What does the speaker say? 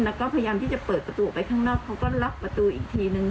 แล้วก็พยายามที่จะเปิดประตูออกไปข้างนอกเขาก็ล็อกประตูอีกทีนึง